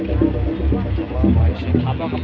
jadi tidak setiap tahun ada pengaturan